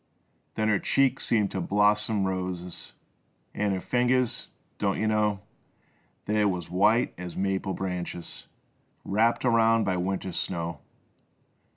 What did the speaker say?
Then her cheeks seemed bloomin' roses, An' her fingers — don't yuh know — They was white as maple branches Wrapped around by winter's snow.